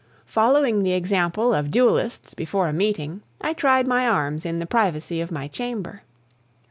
Following the example of duelists before a meeting, I tried my arms in the privacy of my chamber.